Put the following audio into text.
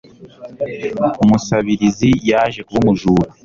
Umusabirizi yaje kuba umujura.